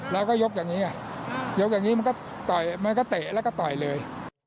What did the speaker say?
แล้วก็ยกอย่างนี้มันก็เตะแล้วก็ต่อยเลย